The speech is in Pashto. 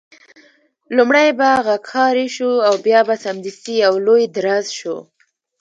لومړی به غږهارۍ شو او بیا به سمدستي یو لوی درز شو.